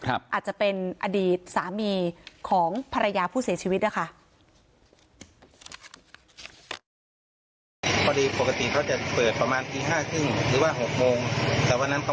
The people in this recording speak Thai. อาจจะเป็นอดีตสามีของภรรยาผู้เสียชีวิตนะคะ